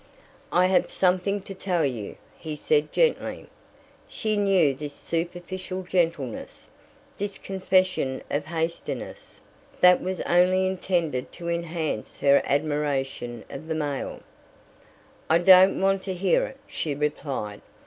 "I have something to tell you," he said gently. She knew this superficial gentleness, this confession of hastiness, that was only intended to enhance her admiration of the male. "I don't want to hear it," she replied.